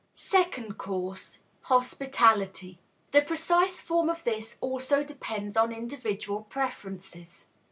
Second Course. HOSPITALITY. The precise form of this also depends on individual preferences.